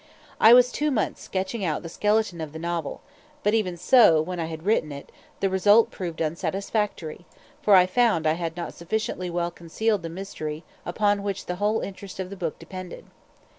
I was two months sketching out the skeleton of the novel, but even so, when I had written it, the result proved unsatisfactory, for I found I had not sufficiently well concealed the mystery upon which the whole interest of the book depended.